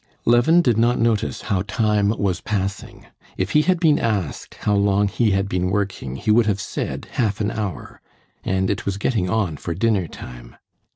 Levin did not notice how time was passing. If he had been asked how long he had been working he would have said half an hour—and it was getting on for dinner time.